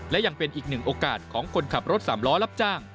และยังเป็นอีกหนึ่งโอกาสของคนขับรถสามล้อรับจ้าง